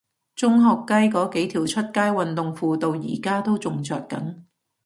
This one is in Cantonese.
中學雞嗰幾條出街運動褲到而家都仲着緊